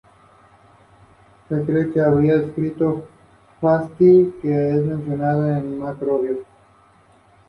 Su obra incluye narrativa de ficción, narrativa infantil, dramaturgia y artículos de investigación científica.